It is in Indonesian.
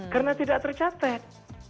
karena tidak tercatat